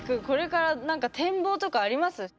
これから何か展望とかあります？